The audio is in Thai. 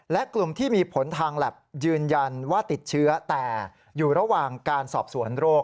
และกลุ่มที่มีผลทางแล็บยืนยันว่าติดเชื้อแต่อยู่ระหว่างการสอบสวนโรค